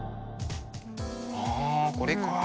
はこれか！